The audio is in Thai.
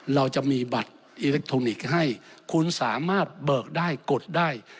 เราจะมีบัตรอิเล็กทรอนิกส์ให้คุณสามารถเบิกได้กดได้